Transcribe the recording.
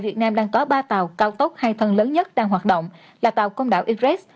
việt nam đang có ba tàu cao tốc hai thân lớn nhất đang hoạt động là tàu công đảo iress